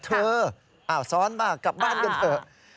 เธออ่าซ้อนมากลับบ้านกันเถอะ